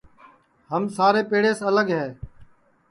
ہم سارے پیڑیس الگے ہے